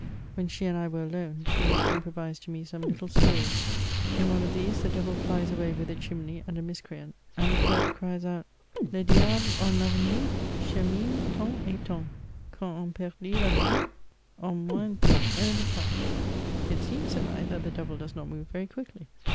When she and I were alone, she used to improvise to me some little stories. In one of these the devil flies away with a chinmey and a miscreant, and the poet cries out, — Le diable en Favenue, Chemine tant et tant, Qu*on en perdit la vue En moins d'une henr* de temps. " It seems," Baid I, "that the devil does not move very quickly."